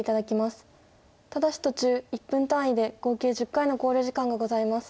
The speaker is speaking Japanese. ただし途中１分単位で合計１０回の考慮時間がございます。